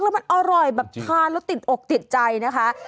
แล้วมันอร่อยแบบทานแล้วติดอกติดใจนะคะ